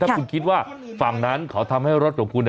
ถ้าคุณคิดว่าฝั่งนั้นเขาทำให้รถของคุณ